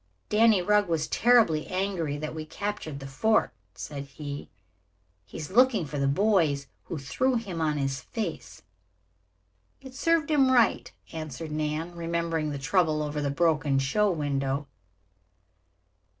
"Danny Rugg was terribly angry that we captured the fort," said he. "He is looking for the boys who threw him on his face." "It served him right," answered Nan, remembering the trouble over the broken show window.